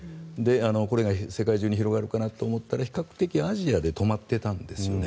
これが世界中に広がるかなと思ったら比較的アジアで止まっていたんですよね。